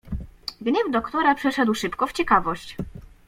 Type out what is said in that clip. "Gniew doktora przeszedł szybko w ciekawość."